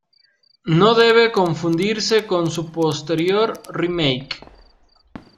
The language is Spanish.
No debe confundirse con su posterior "remake".